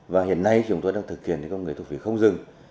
và hiện nay chúng tôi đang thực hiện công nghệ thu phí không dừng